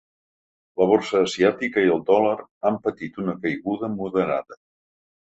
La borsa asiàtica i el dolar han patit una caiguda moderada.